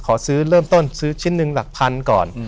ขอซื้อเริ่มต้นซื้อชิ้นหนึ่งหลักพันก่อน